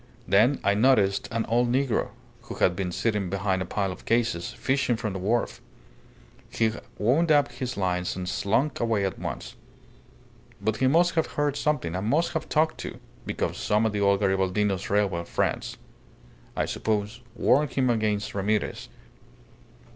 Then I noticed an old negro, who had been sitting behind a pile of cases, fishing from the wharf. He wound up his lines and slunk away at once. But he must have heard something, and must have talked, too, because some of the old Garibaldino's railway friends, I suppose, warned him against Ramirez.